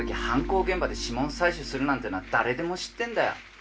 犯行現場で指紋採取するなんてのは誰でも知ってんだよ